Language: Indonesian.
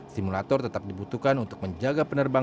simulator tetap dibutuhkan untuk menjaga penerbangan